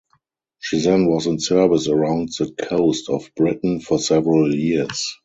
She then was in service around the coast of Britain for several years.